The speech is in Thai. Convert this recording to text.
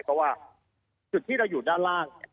เพราะว่าสุดที่เราอยู่หน้าล่าง